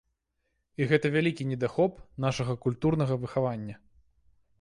І гэта вялікі недахоп нашага культурнага выхавання.